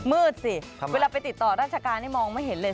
สิเวลาไปติดต่อราชการนี่มองไม่เห็นเลย